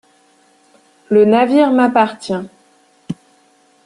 Le navire m’appartient.